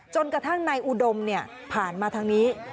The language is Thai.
จนกระทั่งนายอุดมผ่านมาทางนี้